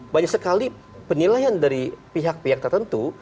banyak sekali penilaian dari pihak pihak tertentu